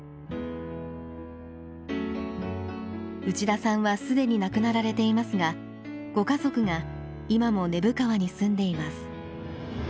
内田さんは既に亡くなられていますがご家族が今も根府川に住んでいます。